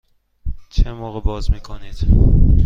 چه موقع باز می کنید؟